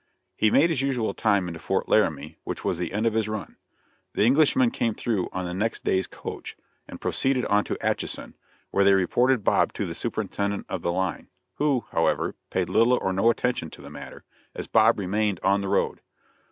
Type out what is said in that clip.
He made his usual time into Fort Laramie, which was the end of his run. The Englishmen came through on the next day's coach, and proceeded on to Atchison, where they reported Bob to the superintendent of the line, who, however, paid little or no attention to the matter, as Bob remained on the road.